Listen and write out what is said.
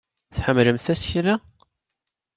Tḥemmlemt tasekla?